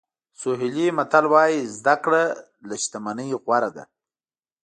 سوهیلي متل وایي زده کړه له شتمنۍ غوره ده.